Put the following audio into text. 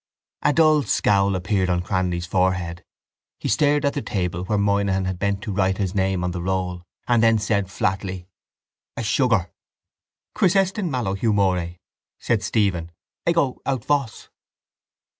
A dull scowl appeared on Cranly's forehead. He stared at the table where Moynihan had bent to write his name on the roll, and then said flatly: —A sugar! —Quis est in malo humore, said Stephen, _ego aut vos?